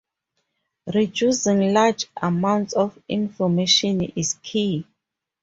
Reducing large amounts of information is key.